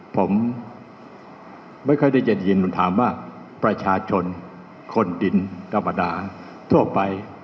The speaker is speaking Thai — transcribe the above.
ผมไม่ค่อยได้ยินมันถามว่าประชาชนคนดินธรรมดาทั่วไป